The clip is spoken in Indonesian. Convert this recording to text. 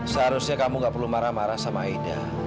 seharusnya kamu gak perlu marah marah sama aida